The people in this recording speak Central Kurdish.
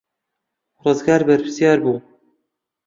ڕزگار بەرپرسیار بوو.